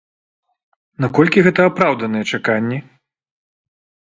Наколькі гэта апраўданыя чаканні?